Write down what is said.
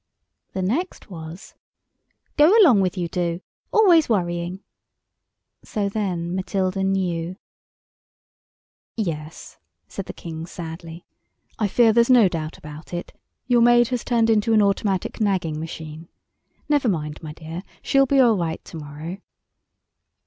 The next was— "Go along with you do—always worrying;" so then Matilda knew. "Yes," said the King sadly, "I fear there's no doubt about it. Your maid has turned into an Automatic Nagging Machine. Never mind, my dear, she'll be all right to morrow."